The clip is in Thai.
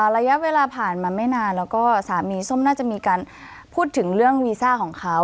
ระยะเวลาผ่านมาไม่นานแล้วก็สามีส้มน่าจะมีการพูดถึงเรื่องวีซ่าของเขา